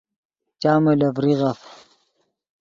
چامے لے ڤریغف